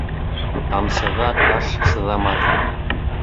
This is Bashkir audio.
Тамсыға таш сыҙамаҫ.